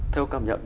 theo cảm nhận